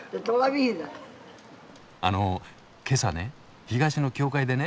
あの今朝ね東の教会でね。